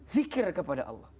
zikir kepada allah